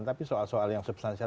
tapi soal soal yang substansial